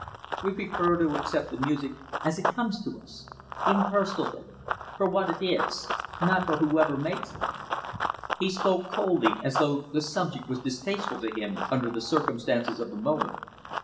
We prefer to accept the music as it comes to us impersonally for what it is not for whoever makes it." He spoke coldly, as though the subject was distasteful to him, under the circumstances of the moment.